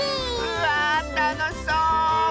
わあたのしそう！